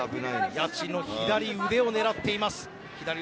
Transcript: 矢地の左腕を狙っています。